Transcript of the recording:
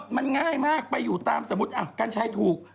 เธอมันง่ายมากไปอยู่ตามสมมุติการใช้ถูก